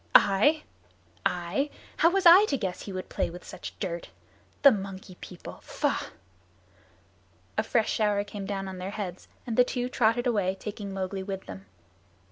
"I I? How was I to guess he would play with such dirt. The Monkey People! Faugh!" A fresh shower came down on their heads and the two trotted away, taking Mowgli with them.